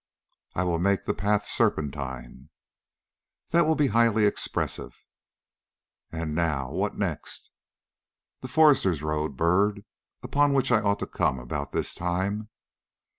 "I will make the path serpentine." "That will be highly expressive." "And now, what next?" "The Foresters' Road, Byrd, upon which I ought to come about this time.